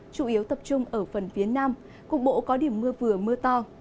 chủ yếu tập trung ở phần phía nam cục bộ có điểm mưa vừa mưa to